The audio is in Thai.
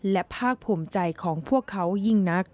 และภาคภูมิใจของพวกเขายิ่งนัก